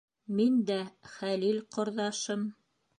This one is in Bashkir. Мин дә, Хәлил ҡорҙашым.